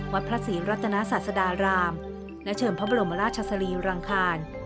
วัดพระศรีรัตนาศาสดารามและเชิญพระบรมราชสรีรังคาร